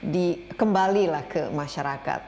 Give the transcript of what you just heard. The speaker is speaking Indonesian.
dikembalilah ke masyarakat